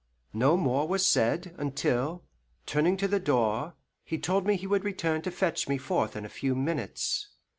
No more was said, until, turning to the door, he told me he would return to fetch me forth in a few minutes.